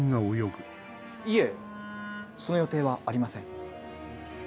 いえその予定はありません。